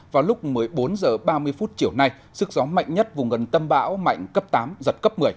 vào lúc một mươi bốn h ba mươi phút chiều nay sức gió mạnh nhất vùng gần tâm bão mạnh cấp tám giật cấp một mươi